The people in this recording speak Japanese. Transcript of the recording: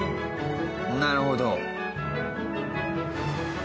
なるほど。